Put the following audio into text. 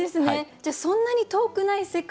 じゃあそんなに遠くない世界？